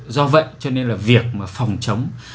do vậy cho nên là việc phòng chống